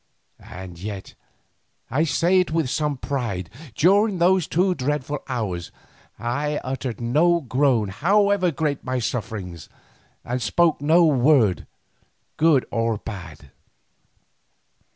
And yet, I say it with some pride, during those two dreadful hours I uttered no groan however great my sufferings, and spoke no word good or bad.